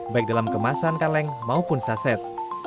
baik dalam kemasan kaleng maupun saset